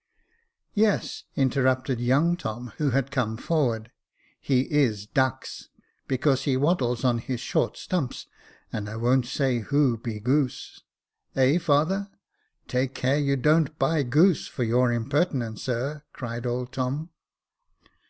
♦• Yes," interrupted young Tom, who had come from J.F. G 98 Jacob Faithful forward, "he is duchsj because he waddles on his short stumps ; and I won't say who be goose. Eh, father ?"" Take care you don't buy goose^ for your imperance, sir," cried old Tom.